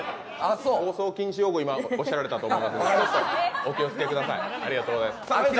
放送禁止用語、今、おっしゃられたと思いますので、お気をつけください。